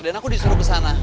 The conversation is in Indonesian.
dan aku disuruh ke sana